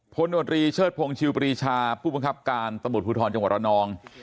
พลนดรีเชิดพงษ์ชิวปรีชาผู้บังคับการตมพุทธรจังหวัดระนอง